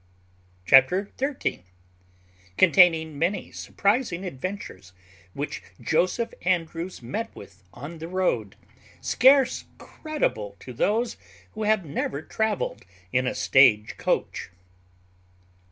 CHAPTER XII. _Containing many surprizing adventures which Joseph Andrews met with on the road, scarce credible to those who have never travelled in a stage coach.